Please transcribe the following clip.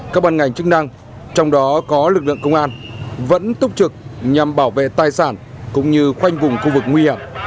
các bàn ngành chức năng trong đó có lực lượng công an vẫn túc trực nhằm bảo vệ tài sản cũng như khoanh vùng khu vực nguy hiểm